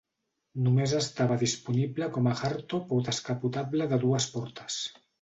Només estava disponible com a hardtop o descapotable de dues portes.